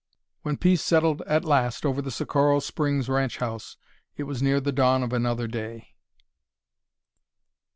When peace settled at last over the Socorro Springs ranch house it was near the dawn of another day.